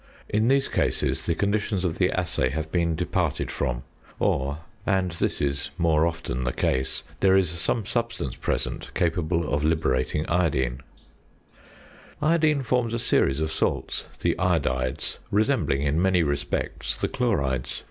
In these cases the conditions of the assay have been departed from, or (and this is more often the case) there is some substance present capable of liberating iodine. Iodine forms a series of salts the iodides resembling in many respects the chlorides.